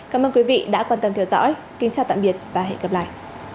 cảm ơn quý vị đã quan tâm theo dõi kính chào tạm biệt và hẹn gặp lại